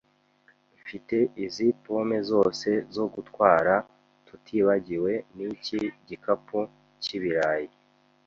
Mfite izi pome zose zo gutwara, tutibagiwe n'iki gikapu cy'ibirayi.